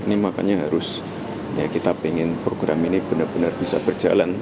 ini makanya harus ya kita ingin program ini benar benar bisa berjalan